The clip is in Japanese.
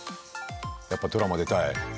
やっぱドラマ出たい？